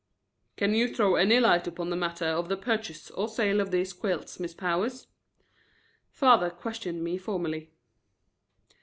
"Can you throw any light upon the matter of the purchase or sale of these quilts, Miss Powers?" father questioned me formally.